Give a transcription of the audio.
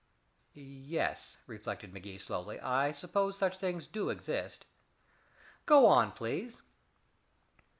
"Yes," reflected Magee slowly, "I suppose such things do exist. Go on, please."